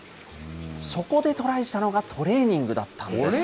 そこでトライしたのがトレーニングだったんです。